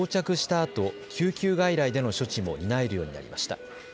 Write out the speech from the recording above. あと救急外来での処置も担えるようになりました。